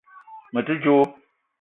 Me te djo